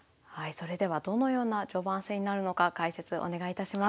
それではどのような序盤戦になるのか解説お願いいたします。